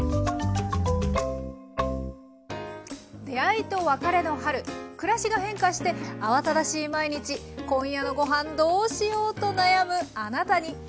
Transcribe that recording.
出会いと別れの春暮らしが変化して慌ただしい毎日「今夜のごはんどうしよう」と悩むあなたに。